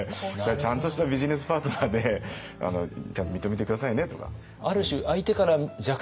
「ちゃんとしたビジネスパートナーでちゃんと認めて下さいね」とか。